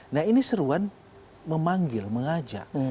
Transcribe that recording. nah ini seruan memanggil mengajak